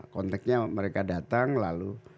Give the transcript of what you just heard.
konteknya mereka datang lalu